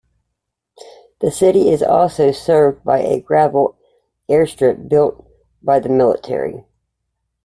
The city is also served by a gravel airstrip built by the military.